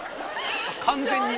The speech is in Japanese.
完全に。